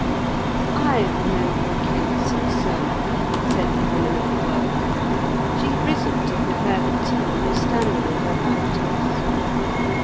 "I remember a case, also," said the Woman of the World. She had risen to prepare the tea, and was standing with her back to us.